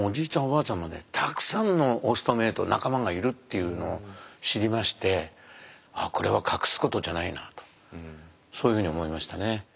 おばあちゃんまでたくさんのオストメイト仲間がいるっていうのを知りましてこれは隠すことじゃないなとそういうふうに思いましたね。